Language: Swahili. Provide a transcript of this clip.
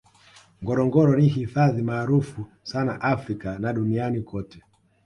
ngorongoro ni hifadhi maarufu sana africa na duniani kote